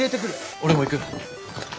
俺も行く。